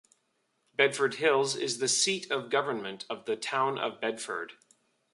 Bedford Hills is the seat of government of the Town of Bedford.